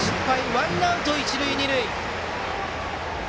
ワンアウト、一塁二塁。